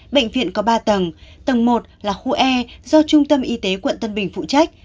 bệnh viện có ba tầng tầng một là khu e do trung tâm y tế quận tân bình phụ trách